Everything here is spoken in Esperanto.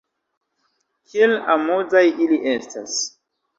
Kiel amuzaj ili estas!